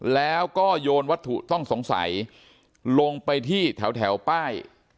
แล้วก็โยนวัตถุต้องสงสัยลงไปที่แถวป้าย